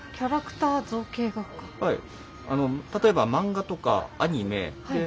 はい。